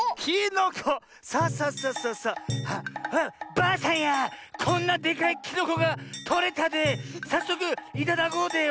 ばあさんやこんなでかいきのこがとれたでさっそくいただこうでよ。